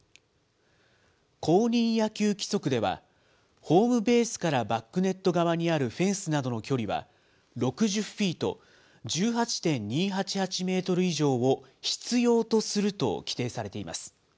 公認野球規則では、ホームベースからバックネット側にあるフェンスなどの距離は６０フィート、１８．２８８メートル以上を必要とすると規定されています。